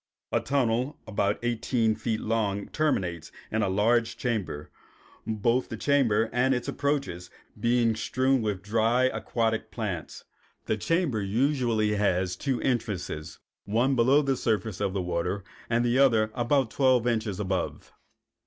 A tunnel about eighteen feet long terminates in a large chamber, both the chamber and its approaches being strewn with dry aquatic plants. The chamber usually has two entrances, one below the surface of the water, and the other about twelve inches above.